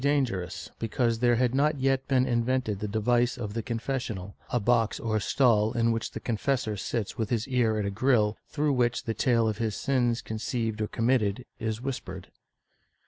(95) 96 SOLICITATION [Book VIII dangerous because there had not yet been invented the device of the confessional — a box or stall in which the confessor sits with his ear at a grille, through which the tale of sins conceived or com mitted is w^hispered.